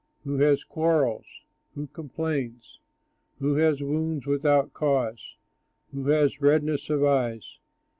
Who has quarrels? Who complains? Who has wounds without cause? Who has redness of eyes?